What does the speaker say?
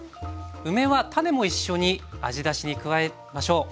梅は種も一緒に味出しに加えましょう。